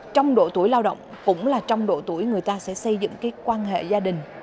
trong độ tuổi lao động cũng là trong độ tuổi người ta sẽ xây dựng cái quan hệ gia đình